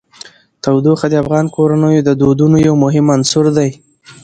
تودوخه د افغان کورنیو د دودونو یو مهم عنصر دی.